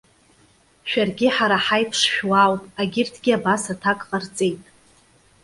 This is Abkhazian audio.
Шәаргьы ҳара ҳаиԥш шәуаауп,- агьырҭгьы абас аҭак ҟарҵеит.